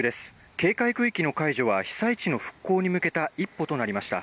警戒区域の解除は被災地の復興に向けた一歩となりました。